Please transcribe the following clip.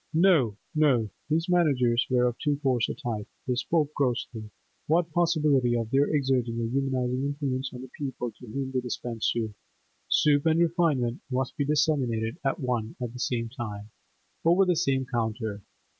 No, no; these managers were of too coarse a type; they spoke grossly; what possibility of their exerting a humanising influence on the people to whom they dispensed soup? Soup and refinement must be disseminated at one and the same time, over the same counter.